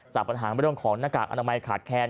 จากปัญหาเรื่องของหน้ากากอนามัยขาดแค้น